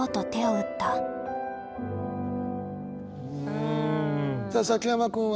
うん。